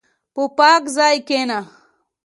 په پاک ځای کښېنه.